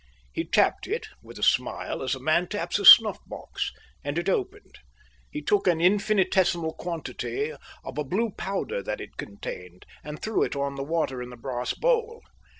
He tapped it, with a smile, as a man taps a snuff box, and it opened. He took an infinitesimal quantity of a blue powder that it contained and threw it on the water in the brass bowl.